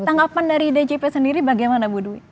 tanggapan dari djp sendiri bagaimana bu dwi